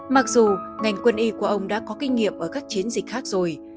mặc dù ngành quân y của ông đã có kinh nghiệm ở các chiến dịch khác rồi